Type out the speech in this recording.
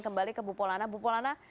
kembali ke bu polana bu polana